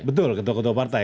betul ketua ketua partai